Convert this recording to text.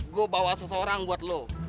gue bawa seseorang buat lo